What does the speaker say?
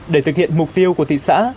để thực hiện mục tiêu của thị xã